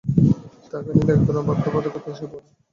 টাকা নিলেই এক ধরনের বাধ্যবাধকতা এসে পড়ে।